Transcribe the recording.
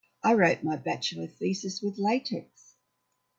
I wrote my bachelor thesis with latex.